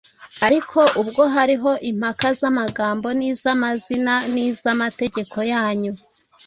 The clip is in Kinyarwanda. ariko, ubwo hariho impaka z’amagambo n’iz’amazina n’iz’amategeko yanyu,